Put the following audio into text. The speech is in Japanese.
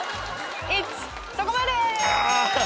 そこまで！